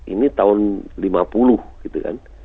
ini tahun lima puluh gitu kan